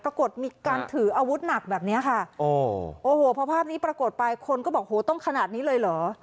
ปรากฏมีการถืออาวุธหนักแบบเนี้ยค่ะโอ้โหพอภาพนี้ปรากฏไปคนก็บอกโหต้องขนาดนี้เลยเหรอ